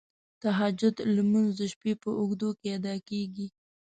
تهجد لمونځ د شپې په اوږدو کې ادا کیږی.